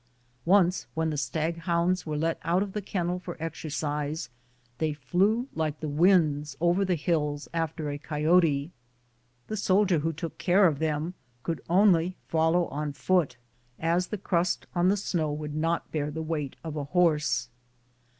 Once when the Btag hounds were let out of the kennel for exercise, they flew like the winds over the hills after a coyote. The soldier who took care of them could only follow on foot, as the crust on the snow would not bear the weight of a horse.